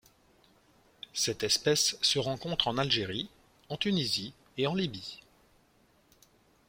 Cette espèce se rencontre en Algérie, en Tunisie et en Libye.